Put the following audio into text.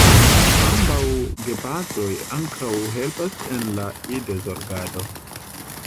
Ambaŭ gepatroj ankaŭ helpas en la idozorgado.